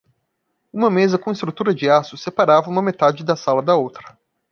Uma mesa com estrutura de aço separava uma metade da sala da outra.